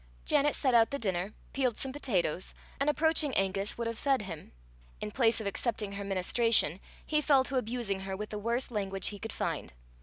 Janet set out the dinner, peeled some potatoes, and approaching Angus, would have fed him. In place of accepting her ministration, he fell to abusing her with the worst language he could find.